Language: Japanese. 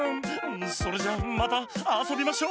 それじゃまたあそびましょ。